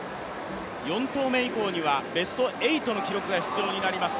４投目以降にはベスト８の記録が必要になります。